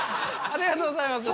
ありがとうございます。